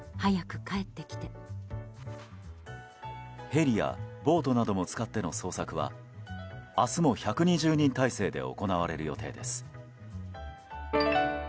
ヘリやボートなども使っての捜索は明日も１２０人態勢で行われる予定です。